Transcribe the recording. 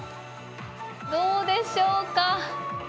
どうでしょうか。